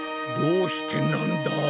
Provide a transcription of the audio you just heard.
どうしてなんだ？